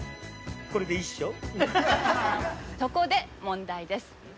「そこで問題です。